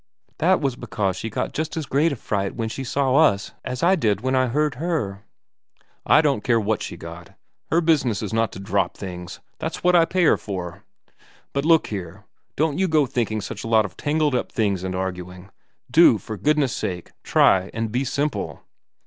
' That was because she got just as great a fright when she saw us as I did when I heard her.' ' I don't care what she got. Her business is not to drop things. That's what I pay her for. But look here don't you go thinking such a lot of tangled up things and arguing. Do, for goodness sake, try and be simple.'